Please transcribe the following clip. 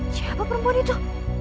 siapa perempuan itu